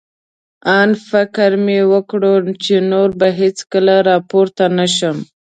آن فکر مې وکړ، چې نور به هېڅکله را پورته نه شم.